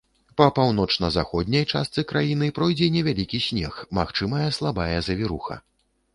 Па паўночна-заходняй частцы краіны пройдзе невялікі снег, магчымая слабая завіруха.